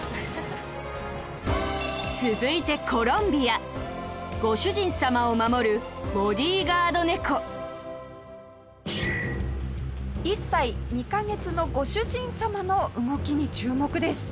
続いて、コロンビアご主人様を守るボディーガード猫下平：１歳２カ月のご主人様の動きに注目です。